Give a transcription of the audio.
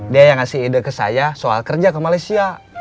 dia yang ngasih ide ke saya soal kerja ke malaysia